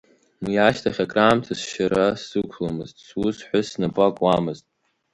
Уи ашьҭахь акраамҭа сшьара сзықәломызт, сус-ҳәыс снапы акуамызт.